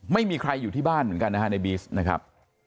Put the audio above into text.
ไม่มีใครอยู่ที่บ้านเหมือนกันนะฮะในบีสนะครับ